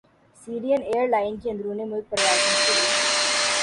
سیرین airline کی اندرون ملک پروازیں شروع